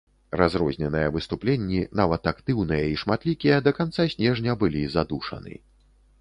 Разрозненыя выступленні, нават актыўныя і шматлікія, да канца снежня былі задушаны.